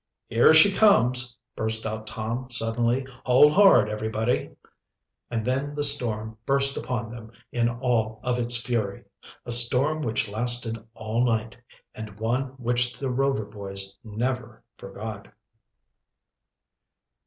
"Here she comes!" burst out Tom suddenly. "Hold hard, everybody!" And then the storm burst upon them in all of its fury a storm which lasted all night, and one which the Rover boys never forgot.